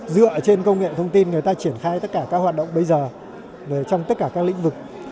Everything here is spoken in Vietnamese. dựa trên công nghệ thông tin người ta triển khai tất cả các hoạt động bây giờ trong tất cả các lĩnh vực